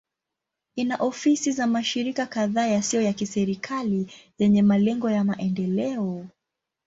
Ina ofisi za mashirika kadhaa yasiyo ya kiserikali yenye malengo ya maendeleo.